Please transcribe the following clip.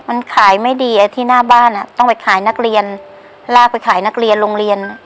มันขายไม่ดีอ่ะที่หน้าบ้านอ่ะต้องไปขายนักเรียนลากไปขายนักเรียนโรงเรียน